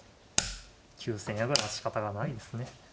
急戦矢倉はしかたがないですね。